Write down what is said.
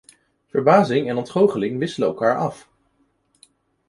Verbazing en ontgoocheling wisselen elkaar af.